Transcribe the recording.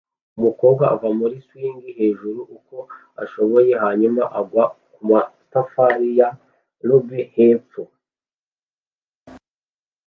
Umukobwa ava muri swing hejuru uko ashoboye hanyuma agwa kumatafari ya rubber hepfo